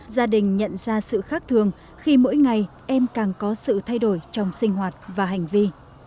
gia đình nhận ra sự khác thường khi mỗi ngày em càng có sự thay đổi trong sinh hoạt và hành vi